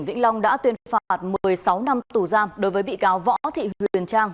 tòa án nhân dân tỉnh vĩnh long đã tuyên phạt một mươi sáu năm tù giam đối với bị cáo võ thị huyền trang